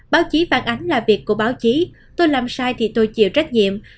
báo chí phản ánh là việc của báo chí tôi làm sai thì tôi chịu trách nhiệm